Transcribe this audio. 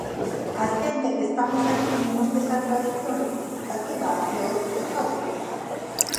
A xente que estamos aquí vimos desa tradición reivindicativa e orgullosa do noso.